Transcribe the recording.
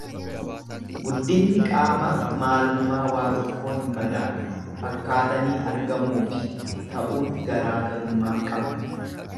Guddinni qaamaa maalummaa waa tokkoo hin madaalu Fakkaatanii argamuufi ta'uun garaa garummaa qaba.